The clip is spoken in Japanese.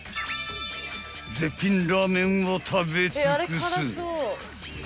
［絶品ラーメンを食べ尽くす］